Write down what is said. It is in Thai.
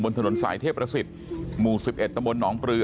บนถนนสายเทพฤศิษย์